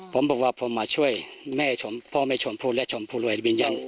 ผมบอกว่าผมมาช่วยแม่ชมพ่อแม่ชมพู่และชมพูรวยวิญญาณ